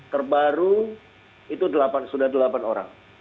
terbaru itu sudah delapan orang